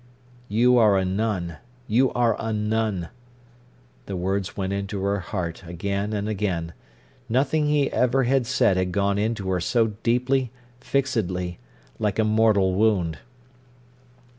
"You are a nun—you are a nun." The words went into her heart again and again. Nothing he ever had said had gone into her so deeply, fixedly, like a mortal wound.